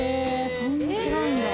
そんな違うんだ